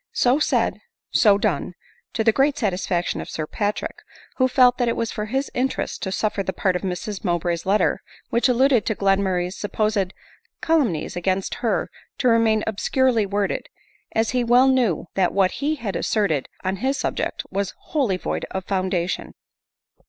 So said, so done, to the great satisfaction of Sir Patrick, who felt that it was for his interest to suffer the part of Mrs Mowbray's letter which alluded to Glenmurray's supposed calumnies against her to remain obscurely word ed, as he well knew that what he had asserted on this subject was wholly void of foundation.